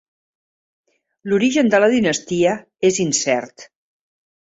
L'origen de la dinastia és incert.